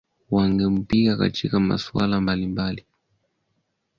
wangempinga katika masuala mbalimbali